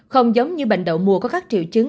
không giống như bệnh đậu mùa có các triệu chứng